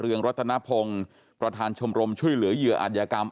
เรืองรัฐนาพงก์ประธานชมรมช่วยเหลือเเหลืออันยากรรม